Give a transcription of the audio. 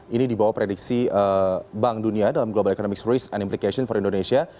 ini dibawah prediksi bank dunia dalam global economics risk and implication for indonesia